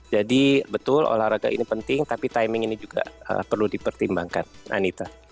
jadi betul olahraga ini penting tapi timing ini juga perlu dipertimbangkan anita